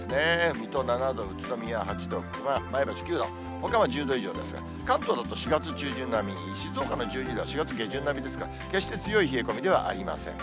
水戸７度、宇都宮８度、前橋９度、ほかは１０度以上ですが、関東だと４月中旬並み、静岡の１０度は４月下旬並みですから決して強い冷え込みではありません。